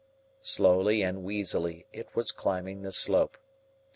Slowly and wheezily it was climbing the slope.